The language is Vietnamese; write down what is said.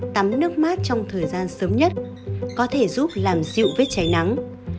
tắm nước mát trong thời gian sớm nhất có thể giúp làm dịu vết cháy nắng